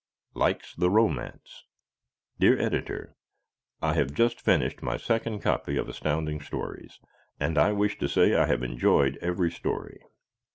Likes the Romance Dear Editor: I have just finished my second copy of Astounding Stories and I wish to say I have enjoyed every story.